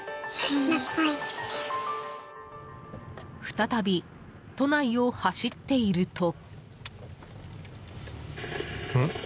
再び、都内を走っていると。